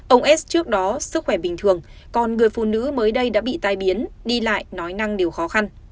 ông s trước đó sức khỏe bình thường còn người phụ nữ mới đây đã bị tai biến đi lại nói năng điều khó khăn